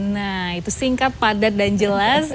nah itu singkat padat dan jelas